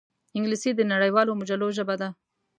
انګلیسي د نړیوالو مجلو ژبه ده